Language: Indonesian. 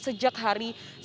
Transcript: sejak hari seminggu